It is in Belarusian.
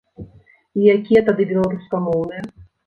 І якія тады беларускамоўныя?